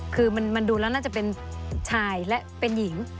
คือมันดูแล้วน่าจะเป็นชายและเป็นหญิง